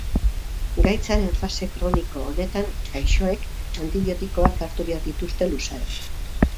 Gaitzaren fase kroniko honetan gaixoek antibiotikoak hartu behar dituzte luzaro.